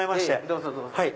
どうぞどうぞ。